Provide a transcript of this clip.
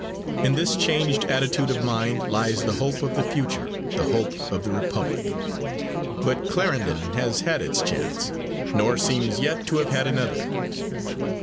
In this changed attitude of mind lies the hope of the future, the hope of the Republic. But Clarendon has had its chance, nor seems yet to have had another.